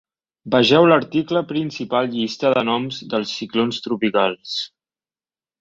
Vegeu l'article principal Llista de noms dels ciclons tropicals.